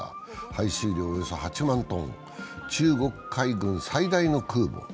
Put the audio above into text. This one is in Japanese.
排水量はおよそ８万トン、中国海軍最大の空母。